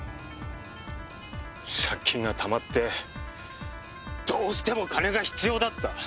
借金がたまってどうしても金が必要だった。